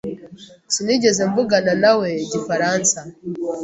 Sinigeze mvuganawe nawe igifaransa.